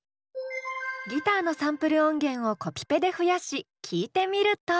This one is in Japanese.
ギターのサンプル音源をコピペで増やし聴いてみると。